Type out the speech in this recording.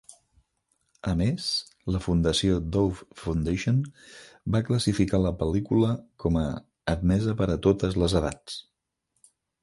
A més, la fundació Dove Foundation va classificar la pel·lícula com a "admesa per a totes les edats".